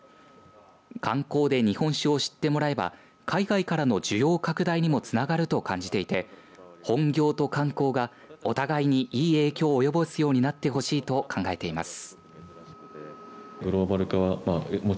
観光で日本酒を知ってもらえば海外からの需要拡大にもつながると感じていて本業と観光がお互いにいい影響を及ぼすようになってほしいと考えています。